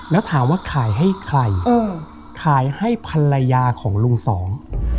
แล้วถามว่าขายให้ใครเออขายให้ภรรยาของลุงสอง